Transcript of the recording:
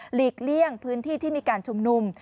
ลีกเลี่ยงพื้นที่ที่มีการชุมนุม